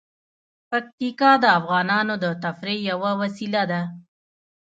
پکتیکا د افغانانو د تفریح یوه وسیله ده.